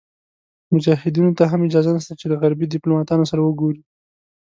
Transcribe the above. مجاهدینو ته هم اجازه نشته چې له غربي دیپلوماتانو سره وګوري.